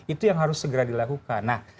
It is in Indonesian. itu yang harus segera dilakukan